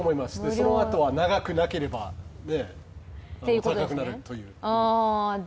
そのあとは長くなると高くなるという。